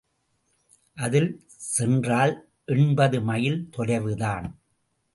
அதில் சென்றால் எண்பது மைல் தொலைவுதான்.